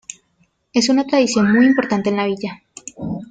Es una tradición muy importante en la villa.